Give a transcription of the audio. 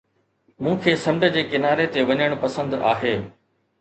مون کي سمنڊ جي ڪناري تي وڃڻ پسند آهي.